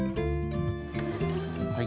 はい。